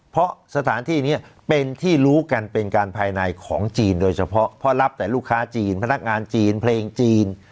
เพราะสถานที่นี้เป็นที่รู้กันเป็นการภายในของจีนโดยเฉพาะเพราะรับแต่ลูกค้าจีนพนักงานจีนเพลงจีน